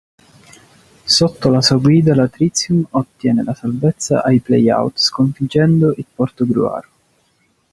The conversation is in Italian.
Sotto la sua guida, la Tritium ottiene la salvezza ai playout sconfiggendo il Portogruaro.